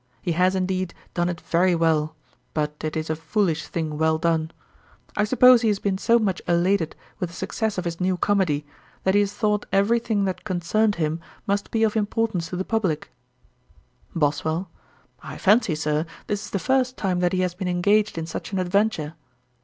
He has, indeed, done it very well; but it is a foolish thing well done. I suppose he has been so much elated with the success of his new comedy, that he has thought every thing that concerned him must be of importance to the publick.' BOSWELL. 'I fancy, Sir, this is the first time that he has been engaged in such an adventure.'